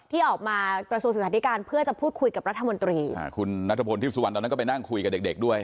ที่ออกมาประสูจน์สถานีการเพื่อจะพูดคุยกับรัฐมนตรีคุณรัฐพนที่สุดวันต่างต่างก็ไปนั่งคุยกับเด็กเนี้ยด้วย